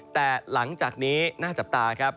แต่หลังจากนี้น่าจับตาครับ